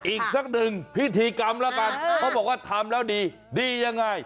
อีกสักหนึ่งพิธีกรรมแล้วกันเขาบอกว่าทำแล้วดีดียังไง